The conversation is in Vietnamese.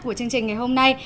của chương trình ngày hôm nay